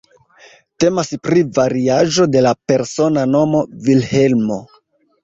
Temas pri variaĵo de la persona nomo Vilhelmo.